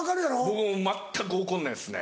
僕も全く怒んないですね。